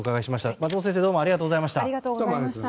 松本先生どうもありがとうございました。